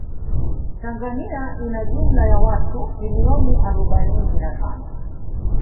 Tanzania ina jumla ya watu milioni arobaini na tano